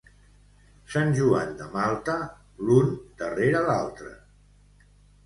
Sant Joan de Malta, l'un darrere l'altre.